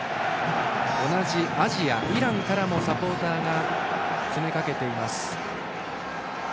同じアジアなのでイランからもサポーターが詰め掛けています。